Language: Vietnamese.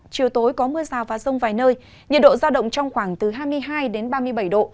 chiều tối có mưa rào và rông vài nơi nhiệt độ giao động trong khoảng từ hai mươi hai đến ba mươi bảy độ